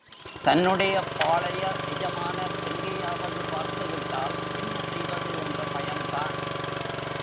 தன்னுடைய பாழய எஜமானர் எங்கேயாவது பார்த்துவிட்டால் என்ன செய்வது என்ற பயம்தான்!